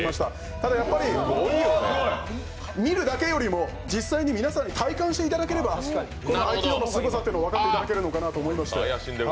ただ、見るだけよりも実際に皆さんに体感していただければ合気道のすごさというのを分かっていただけるのではないかと思いまして